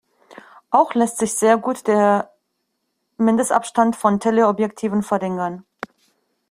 Auch lässt sich sehr gut der Mindestabstand von Teleobjektiven verringern.